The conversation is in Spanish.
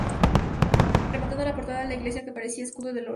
Rematando la portada de la iglesia se aprecia el escudo de Lorca.